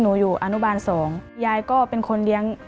หนูเห็นความลำบากของยายกับตาหนูก็รู้สึกสงสารค่ะ